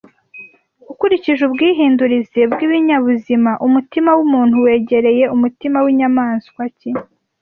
Ukurikije ubwihindurize bwibinyabuzima, umutima wumuntu wegereye umutima winyamaswa ki